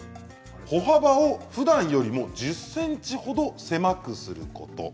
歩幅を、ふだんよりも１０ｃｍほど狭くすること。